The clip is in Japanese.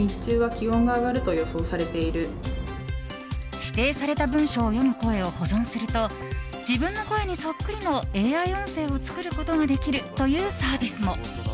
指定された文章を読む声を保存すると自分の声にそっくりの音声ＡＩを作ることができるというサービスも。